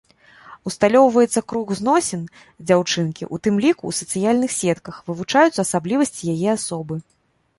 Усталёўваецца круг зносін дзяўчынкі, у тым ліку, у сацыяльных сетках, вывучаюцца асаблівасці яе асобы.